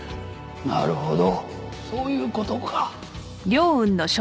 なるほどそういう事か。